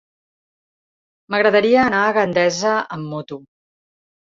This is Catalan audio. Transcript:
M'agradaria anar a Gandesa amb moto.